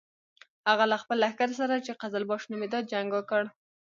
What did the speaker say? هغه له خپل لښکر سره چې قزلباش نومېده جنګ وکړ.